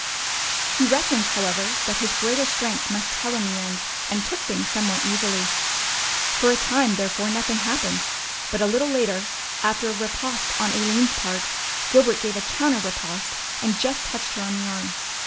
He reckoned however that his greater strength must tell in the end and took things somewhat easily. For a time therefore nothing happened, but a little later, after a riposte on Aline's part, Gilbert made a counter riposte and just touched her on the arm.